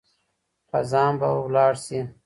خزان به لاړ شي.